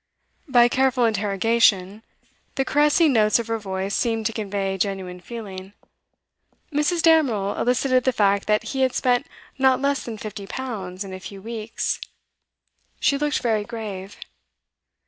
By careful interrogation the caressing notes of her voice seemed to convey genuine feeling Mrs. Damerel elicited the fact that he had spent not less than fifty pounds in a few weeks. She looked very grave.